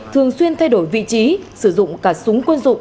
thường xuyên thay đổi vị trí sử dụng cả súng quân dụng